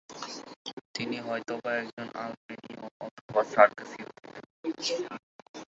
তিনি হয়তোবা একজন আলবেনীয় অথবা সার্ক্যাসীয় ছিলেন।